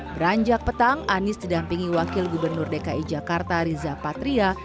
beranjak petang anies didampingi wakil gubernur dki jakarta riza patria